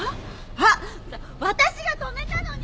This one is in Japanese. あっ私が止めたのに！